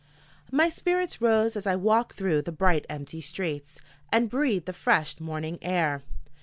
MY spirits rose as I walked through the bright empty streets, and breathed the fresh morning air.